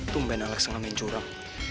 tumben alex ngamen curam